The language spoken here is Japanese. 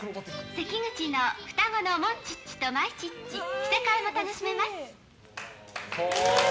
セキグチの双子のモンチッチとマイチッチ着せ替えも楽しめます。